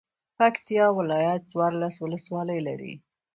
پکتيا ولايت څوارلس ولسوالۍ لري.